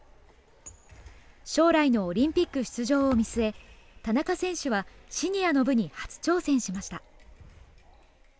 将来のオリンピック出場を見据え、田中選手はシニアの部に初挑戦しました。